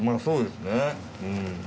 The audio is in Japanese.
そうですねうん。